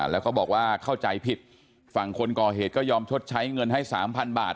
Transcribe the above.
แล้วก็บอกว่าเข้าใจผิดฝั่งคนก่อเหตุก็ยอมชดใช้เงินให้๓๐๐บาท